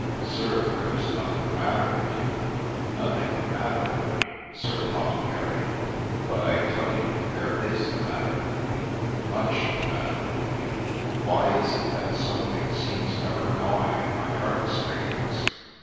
Sir, there is nothing the matter with you !'' Nothing the matter with me, Sir 'Potecary ?— But I tell you there is the matter with me, — much the matter with me. Why is it that something seems ever gnawing at my heart strings